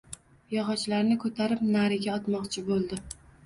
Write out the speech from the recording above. Yog‘ochlarni ko‘tarib nariga otmoqchi bo‘ldi